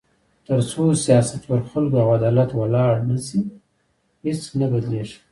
تر څو سیاست پر خلکو او عدالت ولاړ نه شي، هیڅ نه بدلېږي.